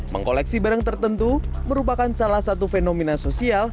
mengkoleksi barang tertentu merupakan salah satu fenomena sosial